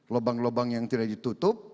lubang lubang yang tidak ditutup